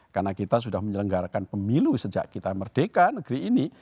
karena kita sudah menyelenggarakan pemilu sejak kita merdeka negeri ini